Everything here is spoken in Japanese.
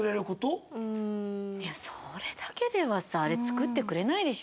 いやそれだけではさあれ作ってくれないでしょ。